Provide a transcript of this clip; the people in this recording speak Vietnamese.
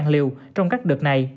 bốn mươi liều trong các đợt này